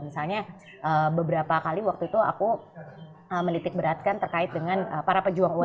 misalnya beberapa kali waktu itu aku menitik beratkan terkait dengan para pejuang umkm